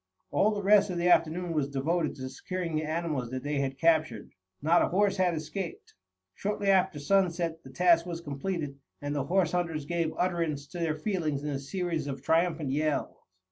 All the rest of the afternoon was devoted to securing the animals that they had captured. Not a horse had escaped. Shortly after sunset the task was completed and the horse hunters gave utterance to their feelings in a series of triumphant yells.